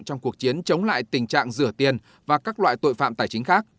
trong cuộc chiến chống lại tình trạng rửa tiền và các loại tội phạm tài chính khác